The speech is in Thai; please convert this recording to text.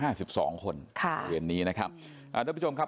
ในโรงเรียนนี้นะครับ